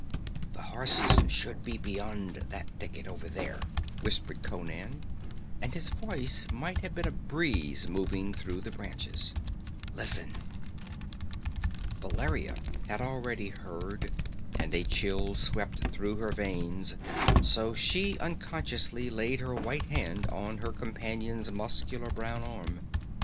"The horses should be beyond that thicket, over there," whispered Conan, and his voice might have been a breeze moving through the branches. "Listen!" Valeria had already heard, and a chill crept through her veins; so she unconsciously laid her white hand on her companion's muscular brown arm.